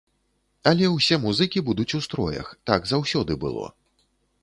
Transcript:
Але ўсе музыкі будуць у строях, так заўсёды было.